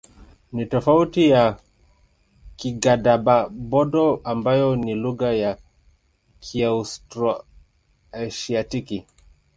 Ni tofauti na Kigadaba-Bodo ambayo ni lugha ya Kiaustro-Asiatiki.